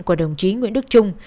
của đồng chí nguyễn đức trung